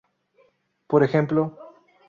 Por ejemplo,